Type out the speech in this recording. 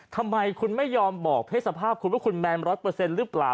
ทำไมคุณไม่ยอมบอกเพศสภาพคุณว่าคุณแมน๑๐๐หรือเปล่า